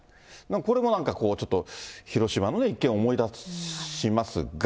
これもなんかちょっと広島の一件を思い出しますが。